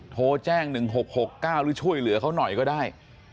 โทรแจ้ง๑๖๖๙หรือช่วยเหลือเขาหน่อยก็ได้